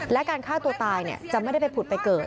และการฆ่าตัวตายจะไม่ได้ไปผุดไปเกิด